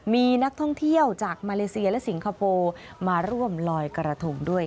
มีนักท่องเที่ยวจากมาเลเซียและสิงคโปร์มาร่วมลอยกระทงด้วย